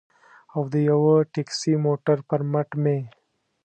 او د یوه ټکسي موټر پر مټ مې.